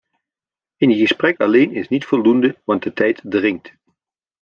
Een gesprek alleen is niet voldoende want de tijd dringt.